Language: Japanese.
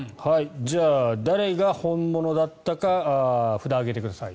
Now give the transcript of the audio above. じゃあ誰が本物だったか札を上げてください。